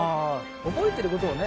覚えてることをね